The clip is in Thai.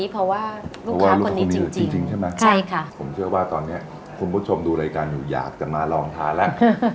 ผมเชื่อว่าตอนนี้คุณผู้ชมดูรายการอยู่อยากจะมาลองทานแล้ว